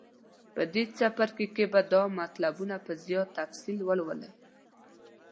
په دې څپرکي کې به دا مطلبونه په زیات تفصیل ولولئ.